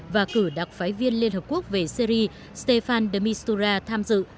và cử đặc phái viên liên hợp quốc về syri stéphane de mistura tham dự